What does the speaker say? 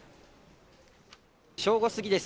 正午過ぎです。